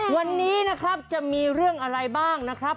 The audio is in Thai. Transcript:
วันนี้นะครับจะมีเรื่องอะไรบ้างนะครับ